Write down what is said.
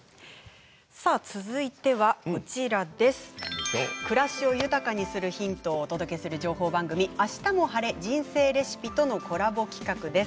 続いては暮らしを豊かにするヒントをお届けする情報番組「あしたも晴れ！人生レシピ」とのコラボ企画です。